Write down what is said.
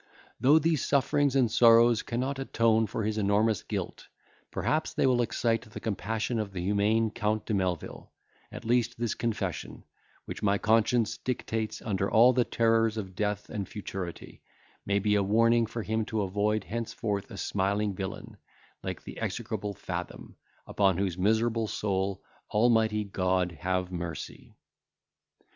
Though these sufferings and sorrows cannot atone for his enormous guilt, perhaps they will excite the compassion of the humane Count de Melvil; at least, this confession, which my conscience dictates under all the terrors of death and futurity, may be a warning for him to avoid henceforth a smiling villain, like the execrable Fathom, upon whose miserable soul Almighty God have mercy."